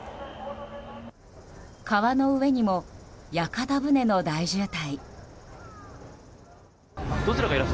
川の上にも屋形船の大渋滞。